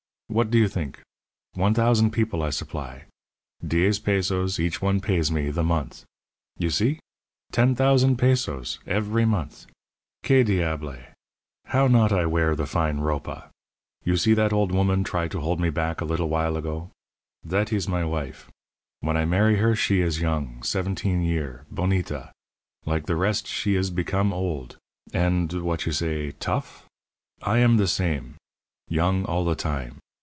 What do you think! One thousand people I supply diez pesos each one pays me the month. You see! ten thousand pesos everee month! Que diable! how not I wear the fine ropa! You see that old woman try to hold me back a little while ago? That ees my wife. When I marry her she is young seventeen year bonita. Like the rest she ees become old and what you say! tough? I am the same young all the time.